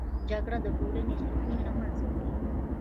جګړه د ټولنې سکون له منځه وړي